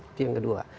itu yang kedua